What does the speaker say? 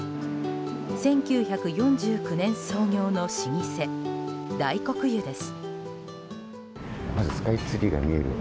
１９４９年創業の老舗大黒湯です。